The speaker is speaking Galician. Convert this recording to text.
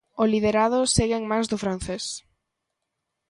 O liderado segue en mans do francés.